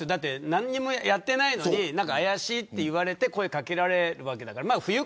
何もやっていないのに怪しいと言われて声掛けられるわけだから。